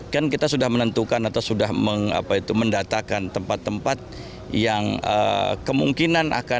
kan kita sudah menentukan atau sudah mendatakan tempat tempat yang kemungkinan akan